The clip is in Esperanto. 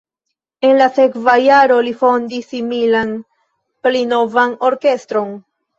En la sekva jaro li fondis similan, pli novan orkestron.